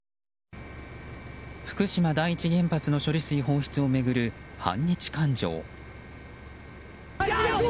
福島第一原発の処理水放出を巡る反日感情。